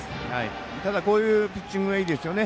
ただこういうピッチングはいいですよね。